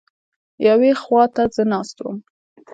یوې خوا ته زه ناست وم.